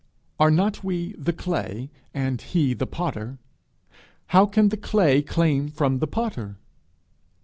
Are not we the clay, and he the potter? how can the clay claim from the potter?